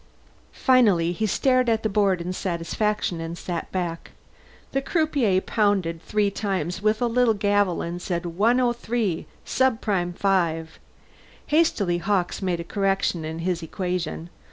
Finally he stared at the board in satisfaction and sat back. The croupier pounded three times with a little gavel and said, "103 sub prime 5." Hastily Hawkes made a correction in his equation.